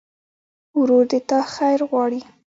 ورور د تا خیر غواړي.